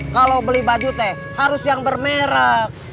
kalau beli baju teh harus yang bermerek